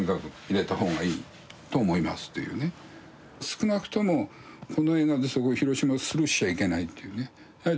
少なくともこの映画ですごい広島スルーしちゃいけないというね。